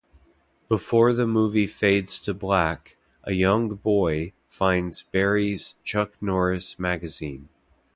Before the movie fades to black, a young boy finds Barry's Chuck Norris magazine.